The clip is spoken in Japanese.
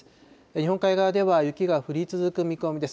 日本海側では雪が降り続く見込みです。